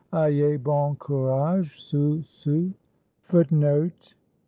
"Ayez bon courage! sus!